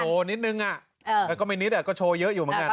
นิดนึงก็ไม่นิดก็โชว์เยอะอยู่เหมือนกัน